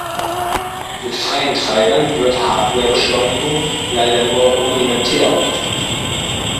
Mit freien Treibern wird Hardware-Beschleunigung leider nur rudimentär unterstützt.